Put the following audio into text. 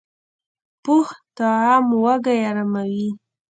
پوخ طعام وږې اراموي